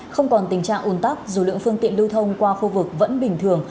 không còn tình trạng ồn tắc dù lượng phương tiện lưu thông qua khu vực vẫn bình thường